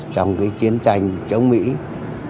không chỉ về nhân lực mà triều tiên